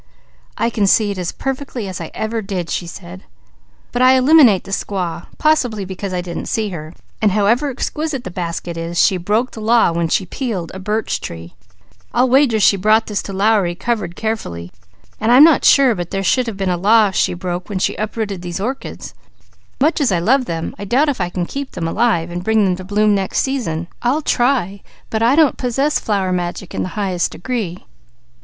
"I can see it as perfectly as I ever did," she said. "But I eliminate the squaw; possibly because I didn't see her. And however exquisite the basket is, she broke the law when she peeled a birch tree. I'll wager she brought this to Lowry, carefully covered. And I'm not sure but there should have been a law she broke when she uprooted these orchids. Much as I love them, I doubt if I can keep them alive, and bring them to bloom next season. I'll try, but I don't possess flower magic in the highest degree."